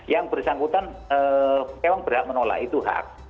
yang bersangkutan memang berhak menolak itu hak